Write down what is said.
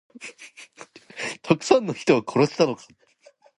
たくさんの人を殺したのか。